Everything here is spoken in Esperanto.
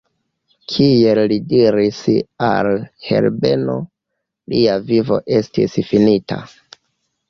Kiel li diris al Herbeno, lia vivo estis finita.